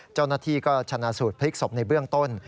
เจ้าหน้าที่ก็ชนะสูตรพลิกศพในเบื้องต้น